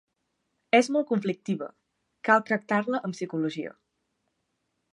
És molt conflictiva: cal tractar-la amb psicologia.